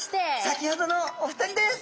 先ほどのお二人です。